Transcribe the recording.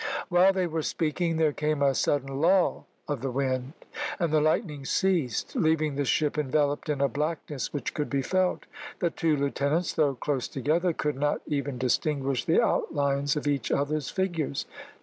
While they were speaking there came a sudden lull of the wind, and the lightning ceased, leaving the ship enveloped in a blackness which could be felt. The two lieutenants, though close together, could not even distinguish the outlines of each other's figures.